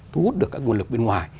thu hút được các nguồn lực bên ngoài